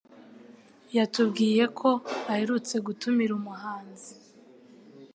yatubwiyeko aherutse gutumira umuhanzi